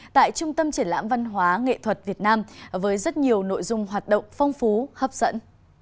tại trung tâm triển lãm văn hóa nghệ thuật việt nam với rất nhiều nội dung hoạt động phong phú hấp dẫn